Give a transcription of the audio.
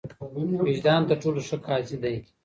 وجدان تر ټولو ښه قاضي دی.